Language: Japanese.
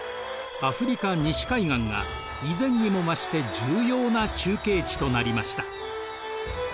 アフリカ西海岸が以前にも増して重要な中継地となりました。